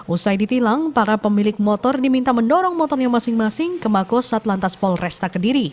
usai ditilang para pemilik motor diminta mendorong motornya masing masing ke makos atlantas polresta kediri